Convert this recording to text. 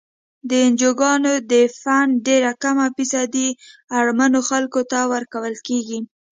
د انجوګانو د فنډ ډیره کمه فیصدي اړمنو خلکو ته ورکول کیږي.